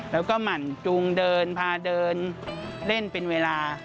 แล้วก็หมั่นจูงเดินพาเดินเล่นเป็นเวลา